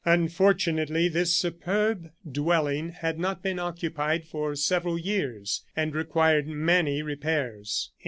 Unfortunately, this superb dwelling had not been occupied for several years, and required many repairs.